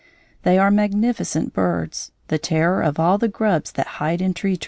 They are magnificent birds, the terror of all the grubs that hide in tree trunks.